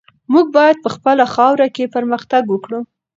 موږ باید په خپله خاوره کې پرمختګ وکړو.